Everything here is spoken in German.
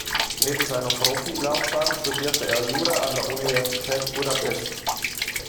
Neben seiner Profilaufbahn studiert er Jura an der Universität Budapest.